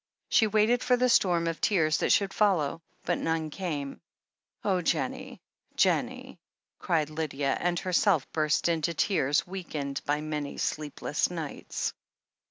She waited for the storm of tears that should follow, but none came. "Oh, Jennie, Jennie !" cried Lydia, and herself burst into tears, weakened by many sleepless nights.